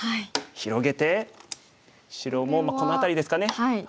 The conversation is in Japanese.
広げて白もこの辺りですかね。